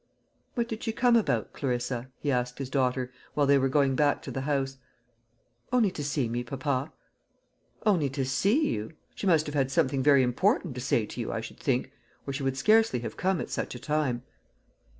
"What did she come about, Clarissa?" he asked his daughter, while they were going back to the house. "Only to see me, papa." "Only to see you! She must have had something very important to say to you, I should think, or she would scarcely have come at such a time."